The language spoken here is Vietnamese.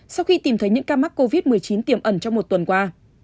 sau khi tìm thấy những ca mắc covid một mươi chín tiềm ẩn trong một tuần qua